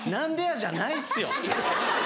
じゃないっすよ。